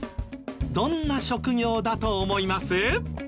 どんな職業だと思います？